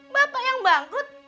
bapak yang bangkrut